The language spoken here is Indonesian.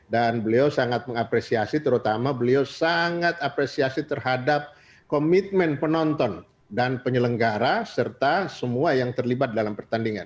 dan beliau sangat mengapresiasi terutama beliau sangat apresiasi terhadap komitmen penonton dan penyelenggara serta semua yang terlibat dalam pertandingan